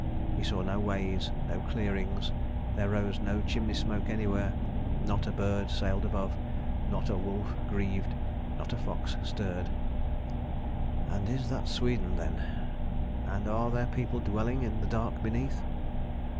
He saw no ways, no clearings; there rose no chimney smoke anywhere. Not a bird sailed above, not a wolf grieved, not a fox stirred. "And is that Sweden then? And are there people dwelling in the dark beneath?